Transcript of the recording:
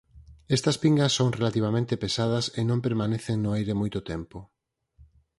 Estas pingas son relativamente pesadas e non permanecen no aire moito tempo.